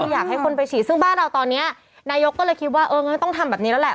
อยากให้คนไปฉีดซึ่งบ้านเราตอนนี้นายกก็เลยคิดว่าเอองั้นต้องทำแบบนี้แล้วแหละ